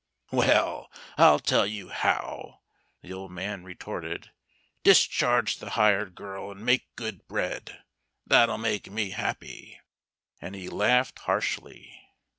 "Well, I'll tell you how," the old man retorted. "Discharge the hired girl, and make good bread. That'll make me happy," and he laughed harshly.